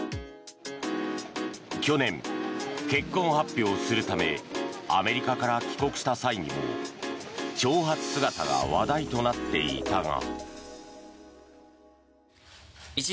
去年、結婚発表するためアメリカから帰国した際にも長髪姿が話題となっていたが。